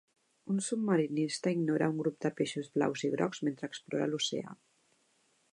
Un submarinista ignora un grup de peixos blaus i grocs mentre explora l'oceà.